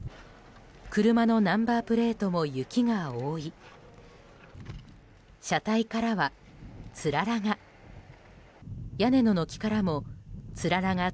車のナンバープレートも雪が覆い車体からは、つららが。